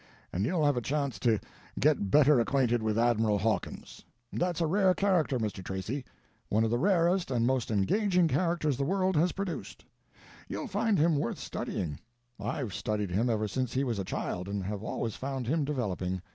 And you'll have a chance to get better acquainted with Admiral Hawkins. That's a rare character, Mr. Tracy—one of the rarest and most engaging characters the world has produced. You'll find him worth studying. I've studied him ever since he was a child and have always found him developing.